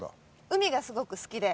海がすごく好きで。